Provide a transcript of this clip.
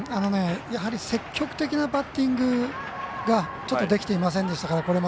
やはり積極的なバッティングがこれまでできていませんでした。